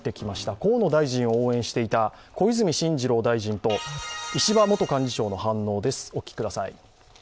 河野さんを応援していた小泉進次郎さんと石破元幹事長の反応です。